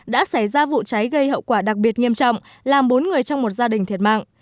đã xảy ra vụ cháy gây hậu quả đặc biệt nghiêm trọng làm bốn người trong một gia đình thiệt mạng